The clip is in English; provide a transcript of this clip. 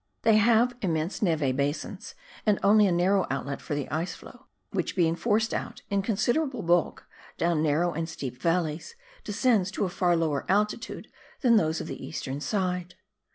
They have immense neve basins and only a narrow outlet for the iceflow, which being foVced out in considerable bulk down narrow and steep valleys, descends to a far lower altitude than those of the eastern side.